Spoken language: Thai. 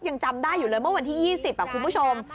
ยังจำได้อยู่เลยเมื่อวันที่๒๐คุณผู้ชม